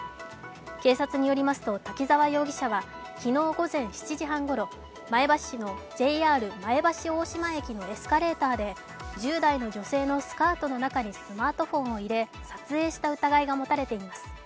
警察によりますと滝沢容疑者は昨日午前７時半ごろ前橋市のＪＲ前橋大島駅のエスカレーターで１０代の女性のスカートの中にスマートフォンを入れ、撮影した疑いが持たれています。